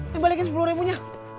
nih balikin rp sepuluh nya